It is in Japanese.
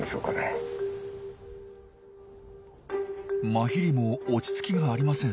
マヒリも落ち着きがありません。